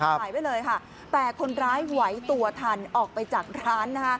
ถ่ายไว้เลยค่ะแต่คนร้ายไหวตัวทันออกไปจากร้านนะคะ